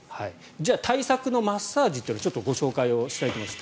じゃあ対策のマッサージというのをご紹介したいと思います。